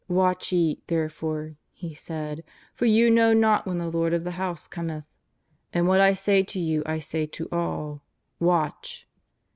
" Watch ye, therefore,'' He said, " for you know not when the lord of the house cometh. And what I say to you I say to all :^ Watch